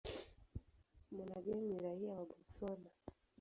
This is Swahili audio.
Monageng ni raia wa Botswana.